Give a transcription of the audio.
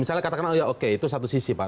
misalnya katakanlah ya oke itu satu sisi pak